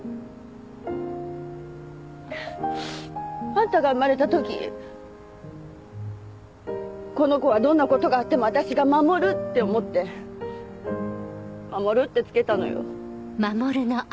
あんたが生まれた時この子はどんなことがあっても私が守るって思って「守」って付けたのよ。